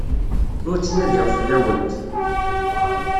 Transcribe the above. Ur ttnadiɣ fell-awent.